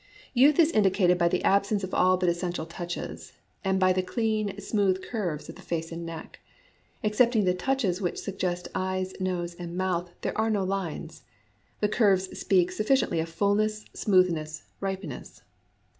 Youth is indicated by the absence of all but essential touches, and by the clean, smooth curves of the face and neck. Excepting the touches which suggest eyes, nose, and mouth, there are no lines. The curves speak suffi ciently of fullness, smoothness, ripeness.